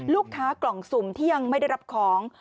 กล่องสุ่มที่ยังไม่ได้รับของ